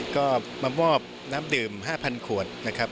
ก็มามอบน้ำดื่ม๕๐๐ขวดนะครับ